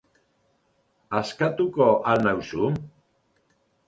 Askatuko al nauzu?